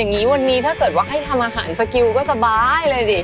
อย่างนี้วันนี้ถ้าเกิดว่าให้ทำอาหารสกิลก็สบายเลยดิ